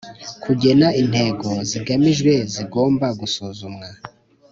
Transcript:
Kugena intego zigamijwe zigomba gusuzumwa;